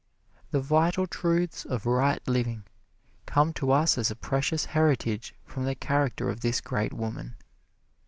The vital truths of right living come to us as a precious heritage from the character of this great woman.